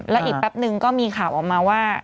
แล้วอีกแป๊บนึงก็มีข่าวออกมาว่า